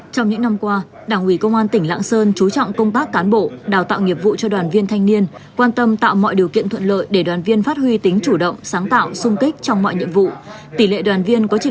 trong những năm qua đảng ủy công an tỉnh lạng sơn chú trọng công tác cán bộ đào tạo nghiệp vụ cho đoàn viên thanh niên quan tâm tạo mọi điều kiện thuận lợi để đoàn viên phát huy tính chủ động sáng tạo sung kích trong mọi nhiệm vụ